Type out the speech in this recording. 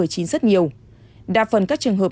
rất nhiều đa phần các trường hợp